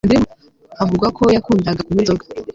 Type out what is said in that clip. havugwa ko yakundaga kunywa inzoga